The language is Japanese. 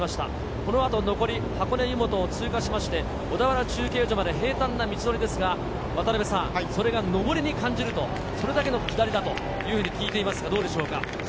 この後、残り箱根湯本を通過しまして、小田原中継所まで平たんな道のりですが、それが上りに感じると、それだけの下りだというふうに聞いていますがどうでしょうか。